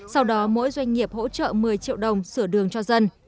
sau đó mỗi doanh nghiệp hỗ trợ một mươi triệu đồng sửa đường cho dân